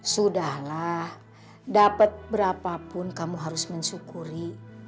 sudahlah dapat berapapun kamu harus mensyukuri